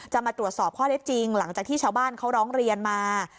มาตรวจสอบข้อได้จริงหลังจากที่ชาวบ้านเขาร้องเรียนมา